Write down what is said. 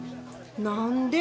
何で？